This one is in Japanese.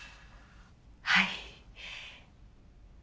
はい。